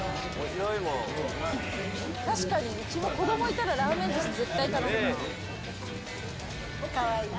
確かに、うちも子どもいたらラーメン寿司絶対頼むな。